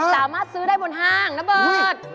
สามารถซื้อได้บนห้างนะเบิร์ต